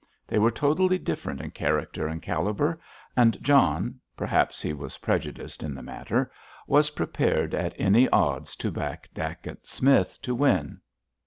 They were totally different in character and calibre, and John (perhaps he was prejudiced in the matter) was prepared at any odds to back Dacent Smith to win.